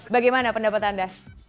bagaimana pendapat anda